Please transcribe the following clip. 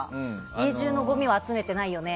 家中のごみを集めてないよね？